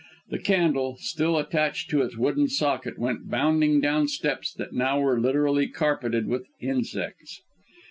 The candle, still attached to its wooden socket, went bounding down steps that now were literally carpeted with insects.